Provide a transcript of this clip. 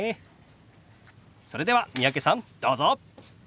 それでは三宅さんどうぞ！